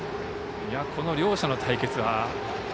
この両者の対決は。